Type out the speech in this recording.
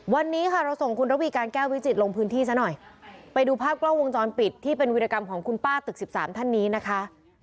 วันนี้ค่ะเราส่งคุณระวีการแก้ววิจิตรลงพื้นที่ซะหน่อยไปดูภาพกล้องวงจรปิดที่เป็นวิรกรรมของคุณป้าตึกสิบสามท่านนี้นะคะ